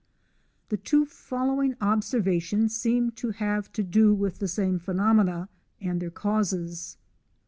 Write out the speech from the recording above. The two following observations seem to have to do with the same phenomena and their causes.